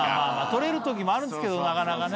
採れる時もあるんですけどなかなかね。